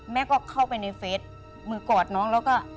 แม่ก็เข้าไปในเฟสมือกอดน้องแล้วก็